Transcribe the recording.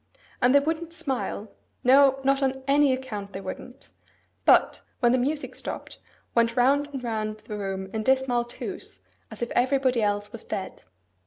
And they wouldn't smile,—no, not on any account they wouldn't; but, when the music stopped, went round and round the room in dismal twos, as if everybody else was dead.